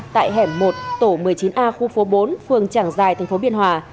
tại hẻm một tổ một mươi chín a khu phố bốn phường trảng giài thành phố biên hòa